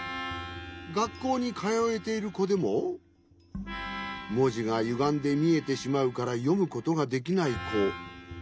がっこうにかよえているこでももじがゆがんでみえてしまうからよむことができないこ。